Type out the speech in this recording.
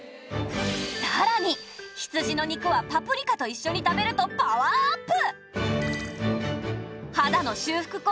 さらに羊の肉はパプリカと一緒に食べるとパワーアップ！